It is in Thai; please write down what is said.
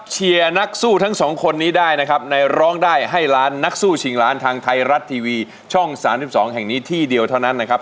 เชียร์นักสู้ทั้งสองคนนี้ได้นะครับในร้องได้ให้ล้านนักสู้ชิงล้านทางไทยรัฐทีวีช่อง๓๒แห่งนี้ที่เดียวเท่านั้นนะครับ